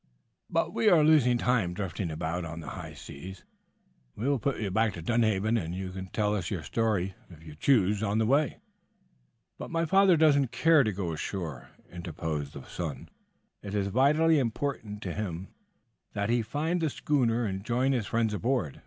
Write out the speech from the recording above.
But we are losing time drifting about on the high seas. We will put back to Dunhaven, and you can tell us your story, if you choose, on the way." "But my father does not care to go ashore," interposed the son. "It is vitally important to him that he find the schooner and join his friends aboard.